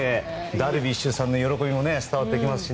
ダルビッシュさんの喜びも伝わってきますし。